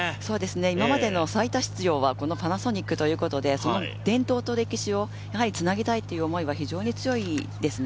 今までの最多出場はパナソニックということで、その伝統と歴史をつなげたいという思いは非常に強いですね。